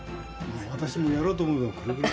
私もやろうと思えばこれぐらい。